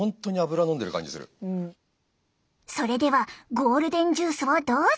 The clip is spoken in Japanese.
それではゴールデンジュースをどうぞ。